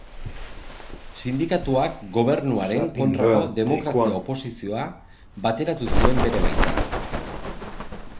Sindikatuak Gobernu haren kontrako demokrazia-oposizioa bateratu zuen bere baitan.